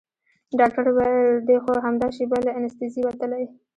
ډاکتر وويل دى خو همدا شېبه له انستيزي وتلى.